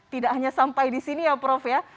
tidak hanya sampai disini ya prof ya